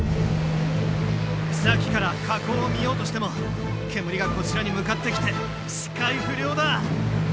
さっきから火口を見ようとしても煙がこちらに向かってきて視界不良だ！